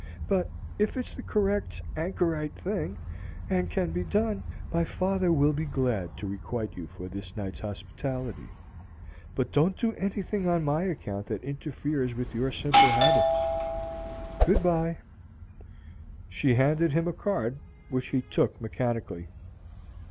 But if it's the correct anchorite thing, and can be done, my father will be glad to requite you for this night's hospitality. But don't do anything on my account that interferes with your simple habits. Good by." She handed him a card, which he took mechanically.